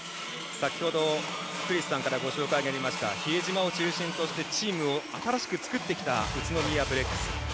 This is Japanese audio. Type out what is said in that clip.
先ほど、クリスさんからご紹介がありました比江島を中心としてチームを新しく作ってきた宇都宮ブレックス。